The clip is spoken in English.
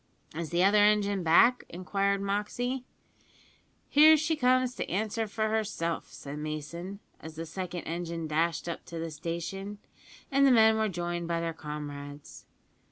"Is the other engine back?" inquired Moxey. "Here she comes to answer for herself," said Mason, as the second engine dashed up to the station, and the men were joined by their comrades.